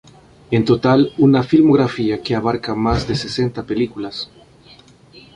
En total una filmografía que abarca más de sesenta películas.